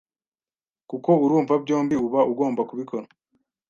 kuko urumva byombi uba ugomba kubikora